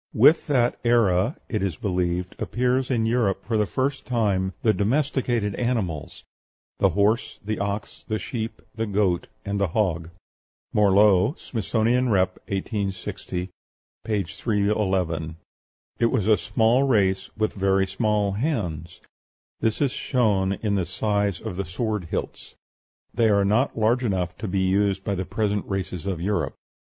With that era, it is believed, appears in Europe for the first time the domesticated animals the horse, the ox, the sheep, the goat, and the hog. (Morlot, "Smithsonian Rep.," 1860, p. 311.) It was a small race, with very small hands; this is shown in the size of the sword hilts: they are not large enough to be used by the present races of Europe.